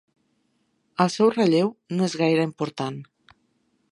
El seu relleu no és gaire important.